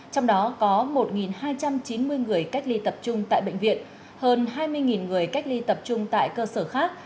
trong đó có một hai trăm chín mươi người cách ly tập trung tại bệnh viện hơn hai mươi người cách ly tập trung tại cơ sở khác